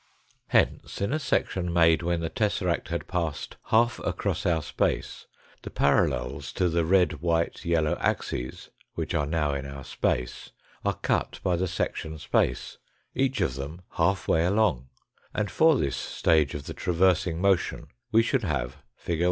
Hence in a section made when the tesseract had passed half across our space the parallels to the red, white, yellow axes, which are now in our space, are cut by the section space, each of them half way along, and for this stage of the traversing motion we should have fig.